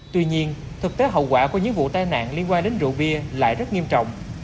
tuy nhiên thực tế hậu quả của những vụ tai nạn liên quan đến rượu bia lại rất nghiêm trọng